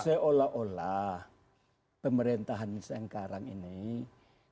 seolah olah pemerintahan sekarang ini tidak mampu